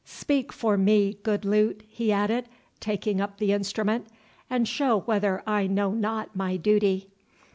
—Speak for me, good lute," he added, taking up the instrument, "and show whether I know not my duty."